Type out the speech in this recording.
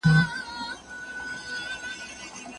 هغه په دې موضوع کي پوره معلومات نه لرل.